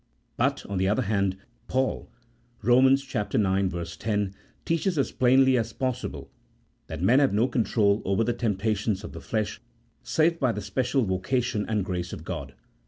But, on the other hand, Paul (Eom. ix. 10) teaches as plainly as possible that men have no control over the temptations of the flesh save by the special voca tion and grace of God.